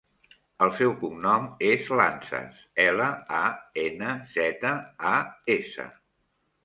El seu cognom és Lanzas: ela, a, ena, zeta, a, essa.